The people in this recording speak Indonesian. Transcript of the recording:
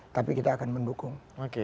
tapi kita akan mendukung